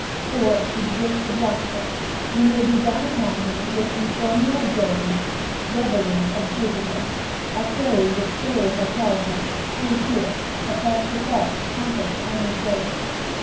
Or, if he begins to bluster, you may be down upon him with insomnia Jovis, reveries of Jupiter—a phrase which Silius Italicus (see here!) applies to thoughts pompous and inflated.